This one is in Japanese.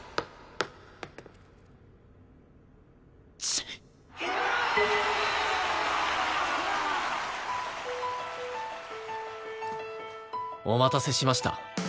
チッ！お待たせしました。